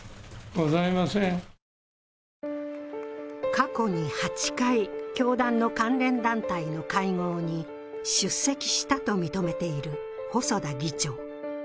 過去に８回、教団の関連団体の会合に出席したと認めている細田議長。